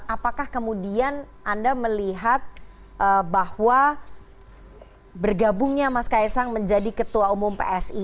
apakah kemudian anda melihat bahwa bergabungnya mas kaisang menjadi ketua umum psi